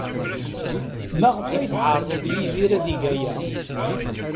Maɣef ay yeɛreḍ Yidir ad yeg aya?